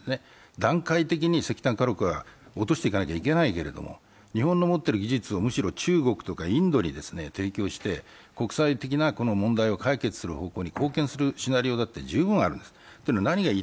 段階的に石炭火力は落としていかなきゃいけないけれども、日本の持っている技術をむしろ中国やインドに輸出しないといけない国際的な問題を解決する方向にいく可能性は十分ある。